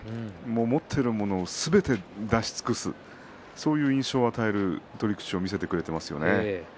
持っているものすべて出し尽くすそういう印象を与える取り口を見せてくれていますね。